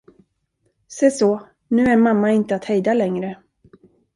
Seså, nu är mamma inte att hejda längre.